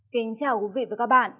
kính chào quý vị và các bạn